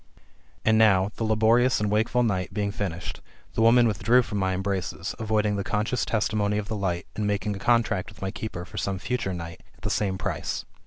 And now, the laborious and wakeful night being finished, the woman withdrew from my embraces, avoiding the conscious testimony of the light, and making a contract with my keeper for some future night, at the same price.